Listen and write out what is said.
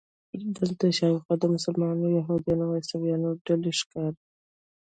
دلته شاوخوا د مسلمانانو، یهودانو او عیسویانو ډلې ښکاري.